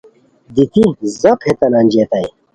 دیتی زاپ ہیتان انجئیتائے